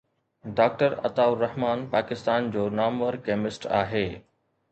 doctor Atta ur-Rahman Pakistan جو نامور chemist آهي